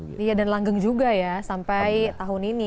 iya dan langgeng juga ya sampai tahun ini